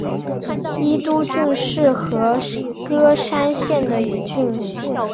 伊都郡是和歌山县的一郡。